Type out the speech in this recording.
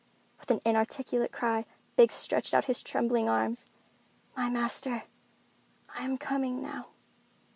With an inarticulate cry, Biggs stretched out his trembling arms. "My Master, I am coming now."